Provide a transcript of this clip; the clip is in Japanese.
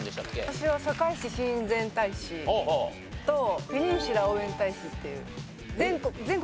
私は堺市親善大使とペニンシュラ応援大使っていう。